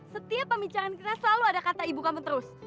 setiap pembicaraan kita selalu ada kata ibu kamu terus